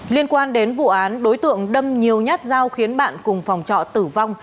liên quan đến vụ án đối tượng đâm nhiều nhát dao khiến bạn cùng phòng trọ tử vong